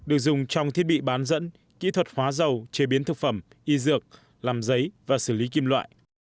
được dùng trong thiết bị bán dẫn kỹ thuật hóa dầu chế biến thực phẩm y dược làm giấy và xử lý kim loại